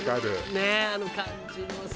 ねえあの感じのさ。